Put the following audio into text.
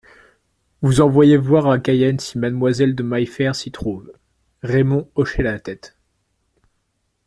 Vous envoyer voir à Cayenne si Mademoiselle de Maillefert s'y trouve … Raymond hochait la tête.